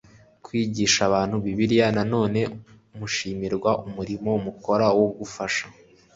kwigisha abantu Bibiliya nanone mushimirwa umurimo mukora wo gufasha